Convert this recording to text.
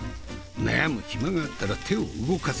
悩む暇があったら手を動かせ。